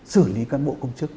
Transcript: xử lý cân bộ công chức